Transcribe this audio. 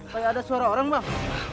kayak ada suara orang bang